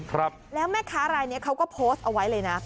ครับแล้วแม่ค้ารายเนี้ยเขาก็โพสต์เอาไว้เลยนะ